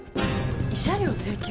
慰謝料請求！？